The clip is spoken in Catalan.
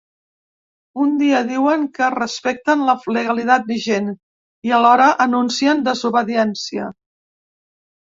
Un dia diuen que respecten la legalitat vigent i alhora anuncien desobediència.